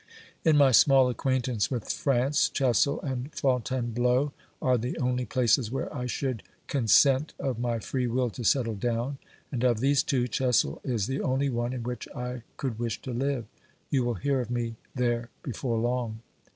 In my small acquaintance with France, Chessel and Fontainebleau are the only places where I should consent of my free will to settle down, and of these two Chessel is the only one in which I could wish to live. You will hear of me there before long.